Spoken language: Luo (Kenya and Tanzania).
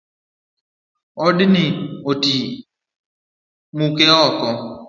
Odni oti muke oko.